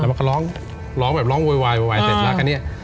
แล้วมันก็ร้องร้องแบบร้องโวยวายเสร็จแล้วกันเนี่ย